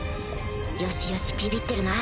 よしよしビビってるな